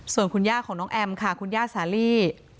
ส่วนคุณย่าของน้องแอมค่ะคุณย่าสาลี